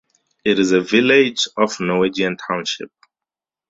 It is a village of Norwegian Township.